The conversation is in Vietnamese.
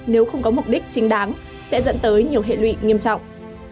nếu không có mục đích chính đáng sẽ dẫn tới nhiều hệ lụy nghiêm trọng